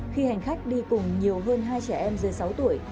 khi hành khách đi cùng nhiều hơn hai trẻ em dưới sáu tuổi